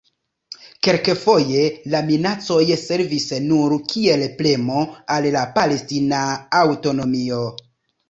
Kelkfoje la minacoj servis nur kiel premo al la palestina aŭtonomio.